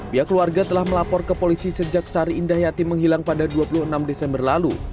pihak keluarga telah melapor ke polisi sejak sari indah yati menghilang pada dua puluh enam desember lalu